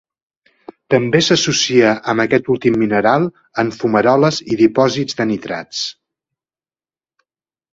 També s'associa amb aquest últim mineral en fumaroles i dipòsits de nitrats.